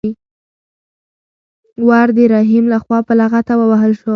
ور د رحیم لخوا په لغته ووهل شو.